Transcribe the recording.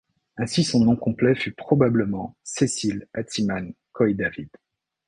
Ainsi son nom complet fut probablement Cécile Attiman Coidavid.